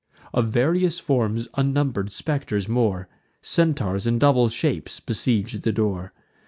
Of various forms unnumber'd spectres more, Centaurs, and double shapes, besiege the door.